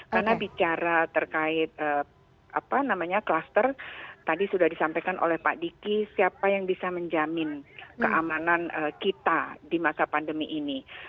karena bicara terkait kluster tadi sudah disampaikan oleh pak diki siapa yang bisa menjamin keamanan kita di masa pandemi ini